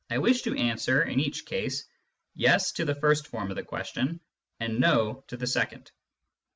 1 wish to answer, in each case, yes to the first form of the question, and no to the second.